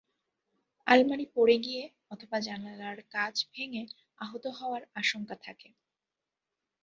আলমারি পড়ে গিয়ে অথবা জানালার কাচ ভেঙে আহত হওয়ার আশঙ্কা থাকে।